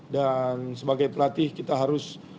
dan sebagai pelatih kita harus